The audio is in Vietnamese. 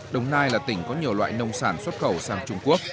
đồng nai là tỉnh có nhiều loại nông sản xuất khẩu sang trung quốc